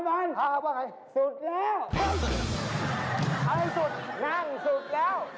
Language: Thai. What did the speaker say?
ถ่ายที่สุดนั่งสุดแล้ว